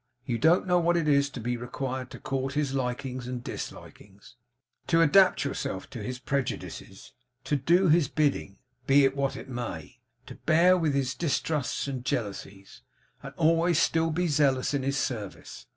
You don't know what it is to be required to court his likings and dislikings; to adapt yourself to his prejudices; to do his bidding, be it what it may; to bear with his distrusts and jealousies; and always still be zealous in his service.